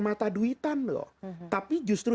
mata duitan loh tapi justru